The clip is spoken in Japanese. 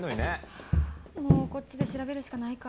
ハァもうこっちで調べるしかないか。